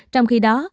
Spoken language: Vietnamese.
trong khi đó